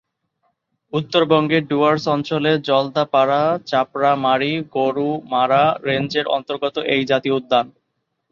উত্তরবঙ্গের ডুয়ার্স অঞ্চলের জলদাপাড়া-চাপড়ামারি-গোরুমারা রেঞ্জের অন্তর্গত এই জাতীয় উদ্যান।